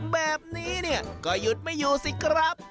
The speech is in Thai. แบบนี้เนี่ยก็หยุดไม่อยู่สิครับ